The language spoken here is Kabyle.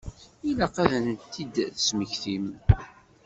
Ilaq ad ten-id-tesmektim.